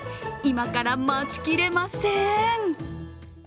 今から待ちきれません。